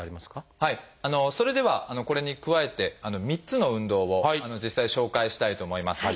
それではこれに加えて３つの運動を実際に紹介したいと思います。